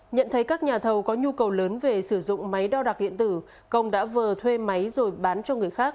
nhận thấy các nhà thầu có nhu cầu lớn về sử dụng máy đo đạc điện tử công đã vờ thuê máy rồi bán cho người khác